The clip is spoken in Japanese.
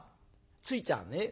「ついちゃあね